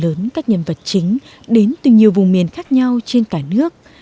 với số lượng lớn các nhân vật chính đến từ nhiều vùng miền khác nhau trên cả nước